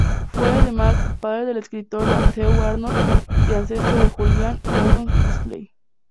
Fue, además, padre del escritor Matthew Arnold, y ancestro de Julian y Aldous Huxley.